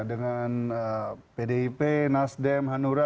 dengan pdip nasdem hanura